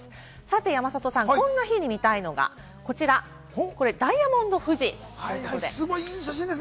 山里さん、こんな日に見たいのがこちら、ダイヤモンド富士ということです。